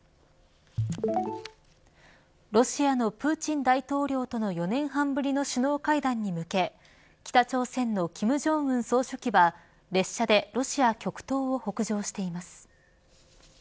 ロシアのプーチン大統領との４年半ぶりの首脳会談に向け北朝鮮の金正恩総書記は列車でロシア極東を北上しています。